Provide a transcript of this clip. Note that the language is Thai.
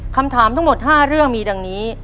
คำถามทั้งหมด๕เรื่องมีดังนี้